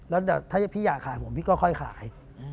แล้วเดี๋ยวถ้าพี่อยากขายผมพี่ก็ค่อยขาย